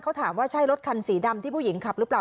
เขาถามว่าใช่รถคันสีดำที่ผู้หญิงขับหรือเปล่า